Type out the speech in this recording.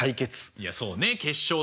いやそうね決勝戦。